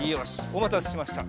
おまたせしました。